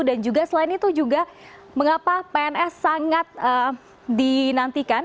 dan juga selain itu juga mengapa pns sangat dinantikan